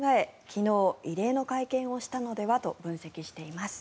昨日、異例の会見をしたのではと分析しています。